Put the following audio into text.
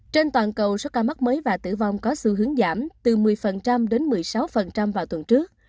trên toàn cầu số ca mắc mới và tử vong có xu hướng giảm từ một mươi đến một mươi sáu vào tuần trước